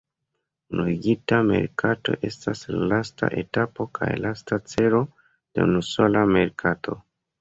Unuigita merkato estas la lasta etapo kaj lasta celo de unusola merkato.